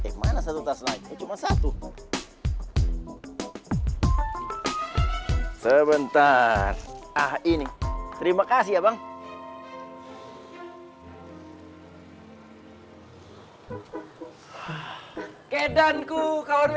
jangan pergi wahai bidadari